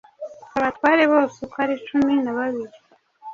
abatware bose uko ari cumi na babiri